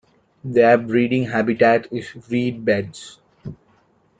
Their breeding habitat is reed beds.